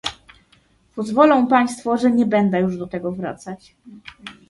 Pozwolą państwo, że nie będę już do tego wracać